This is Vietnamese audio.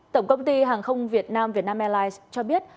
tổng công ty hàng không việt nam vietnam airlines cho biết